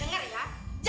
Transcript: candy keluar candy